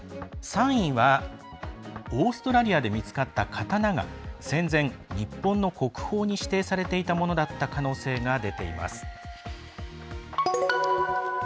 ３位は、オーストラリアで見つかった刀が戦前、日本の国宝に指定されていたものだった可能性が出ています。